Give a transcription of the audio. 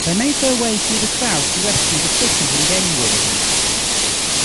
They made their way through the crowd to rescue the fishers and game wardens.